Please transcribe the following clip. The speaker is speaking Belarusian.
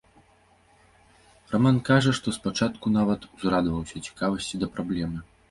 Раман кажа, што спачатку нават узрадаваўся цікавасці да праблемы.